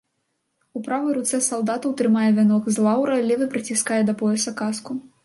У правай руцэ салдатаў трымае вянок з лаўра, левай прыціскае да пояса каску.